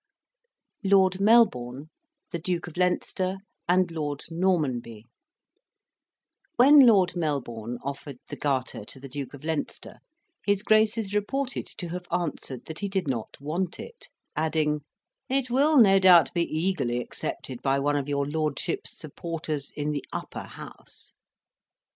LORD MELBOURNE, THE DUKE OF LEINSTER, AND LORD NORMANBY When Lord Melbourne offered the garter to the Duke of Leinster, his grace is reported to have answered that he did not want it; adding, "It will, no doubt, be eagerly accepted by one of your lordship's supporters in the Upper House."